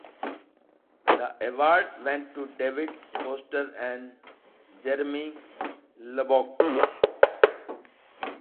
The award went to David Foster and Jeremy Lubbock.